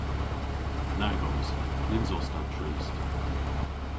Nag os. Nyns os ta trist.